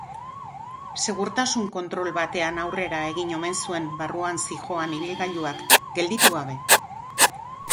Segurtasun kontrol batean aurrera egin omen zuen barruan zihoan ibilgailuak, gelditu gabe.